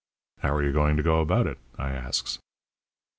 "'How are you going to go about it?' I asks.